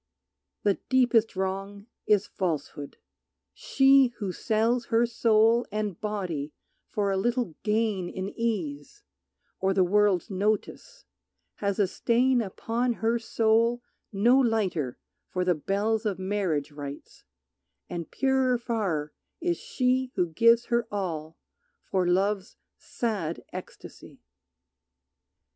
The deepest wrong is falsehood. She who sells Her soul and body for a little gain In ease, or the world's notice, has a stain Upon her soul no lighter for the bells Of marriage rites, and purer far is she Who gives her all for love's sad ecstasy.